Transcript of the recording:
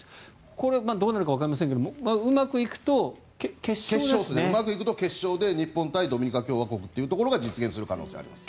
どうなるかわかりませんがうまくいくとうまくいくと決勝で日本対ドミニカ共和国が実現する可能性があります。